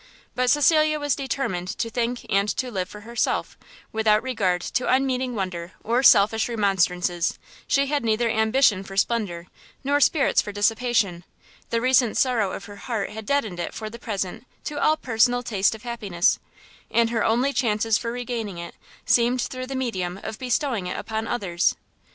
But Cecilia was determined to think and to live for herself, without regard to unmeaning wonder or selfish remonstrances; she had neither ambition for splendour, nor spirits for dissipation; the recent sorrow of her heart had deadened it for the present to all personal taste of happiness, and her only chance for regaining it, seemed through the medium of bestowing it upon others.